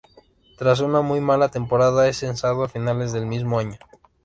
Tras una muy mala temporada es cesado a finales del mismo año.